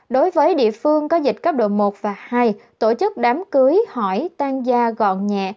đối với địa phương có dịch cấp độ một và hai tổ chức đám cưới hỏi tan da gọn nhẹ